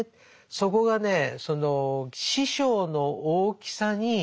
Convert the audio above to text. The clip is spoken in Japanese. そこがねその師匠の大きさに。